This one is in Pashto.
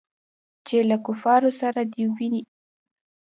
چې له کفارو سره دې وي.